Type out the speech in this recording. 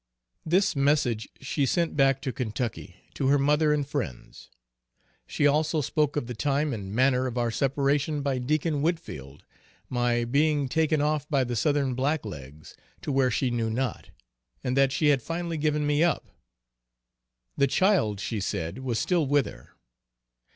This message she sent back to Kentucky, to her mother and friends. She also spoke of the time and manner of our separation by Deacon Whitfield, my being taken off by the Southern black legs, to where she knew not; and that she had finally given me up. The child she said was still with her.